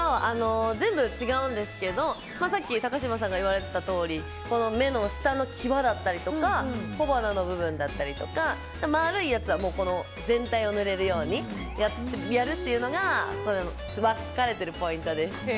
全部違うんですけどさっき高嶋さんが言われてたとおり目の下の際だったり小鼻の部分だったりとか丸いやつは全体を塗れるようにやるのが分かれてるポイントです。